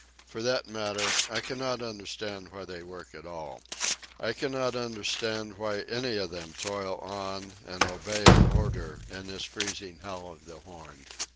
For that matter, I cannot understand why they work at all. I cannot understand why any of them toil on and obey an order in this freezing hell of the Horn.